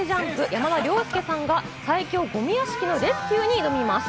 山田涼介さんが最強ゴミ屋敷のレスキューに挑みます。